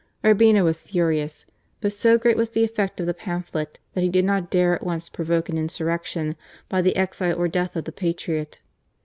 Urbina was furious, but so great was the effect of the pamphlet that he did not dare at once provoke an insurrection by the exile or death of the patriot.